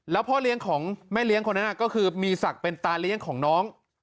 แล้วพ่อเลี้ยงของแม่เลี้ยงคนนั้นก็คือมีศักดิ์เป็นตาเลี้ยงของน้อง